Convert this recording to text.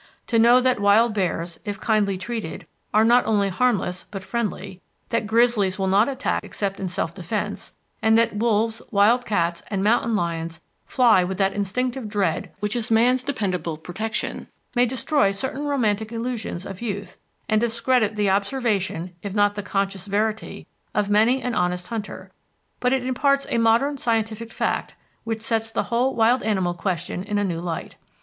To know that wild bears if kindly treated are not only harmless but friendly, that grizzlies will not attack except in self defense, and that wolves, wild cats, and mountain lions fly with that instinctive dread which is man's dependable protection, may destroy certain romantic illusions of youth and discredit the observation if not the conscious verity of many an honest hunter; but it imparts a modern scientific fact which sets the whole wild animal question in a new light.